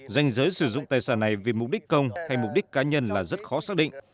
danh giới sử dụng tài sản này vì mục đích công hay mục đích cá nhân là rất khó xác định